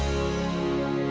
gimana yang berhasil